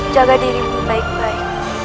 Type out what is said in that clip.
jaga dirimu baik baik